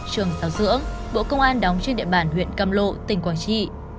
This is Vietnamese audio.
trường giáo dưỡng bộ công an đóng trên địa bản huyện căm lộ tỉnh quảng trị